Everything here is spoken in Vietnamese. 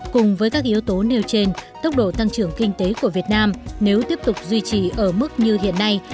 cùng với các yếu tố nêu trên tốc độ tăng trưởng kinh tế của việt nam nếu tiếp tục duy trì ở mức như hiện nay